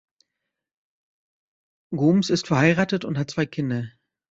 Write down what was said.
Gomes ist verheiratet und hat zwei Kinder.